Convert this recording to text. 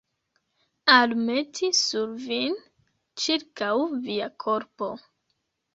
Almeti sur vin, ĉirkaŭ via korpo.